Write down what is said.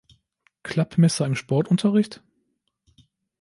Klappmesser im Sportunterricht?